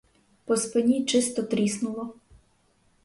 По спині чисто тріснуло!